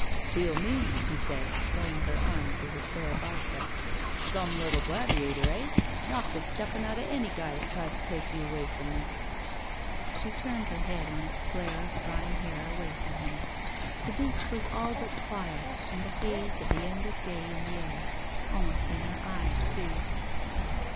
"Peel me," he said, laying her arm to his bare bicep. "Some little gladiator, eh? Knock the stuffings out of any guy that tried to take you away from me." She ttamed her head on its flare of dr3nng hair away from him. The beach was all but quiet and the haze of the end of day in the air, almost in her eyes, too.